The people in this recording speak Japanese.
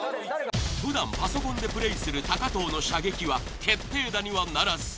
ふだんパソコンでプレイする藤の射決定打にはならず。